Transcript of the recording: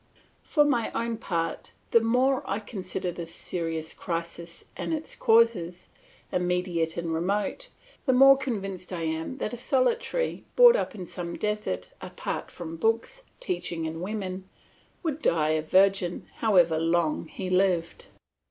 For my own part, the more I consider this serious crisis and its causes, immediate and remote, the more convinced I am that a solitary brought up in some desert, apart from books, teaching, and women, would die a virgin, however long he lived.